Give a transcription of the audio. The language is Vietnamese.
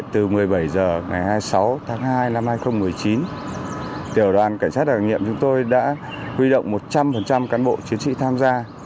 từ một mươi bảy h ngày hai mươi sáu tháng hai năm hai nghìn một mươi chín tiểu đoàn cảnh sát đoàn nghiệp chúng tôi đã quy động một trăm linh cán bộ chiến trị tham gia